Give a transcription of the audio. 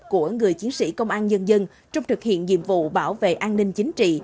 của người chiến sĩ công an nhân dân trong thực hiện nhiệm vụ bảo vệ an ninh chính trị